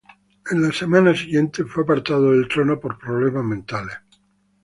En las semanas siguientes fue apartado del trono por problemas mentales.